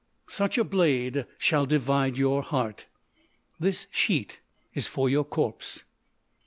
Such a blade shall divide your heart. This sheet is for your corpse.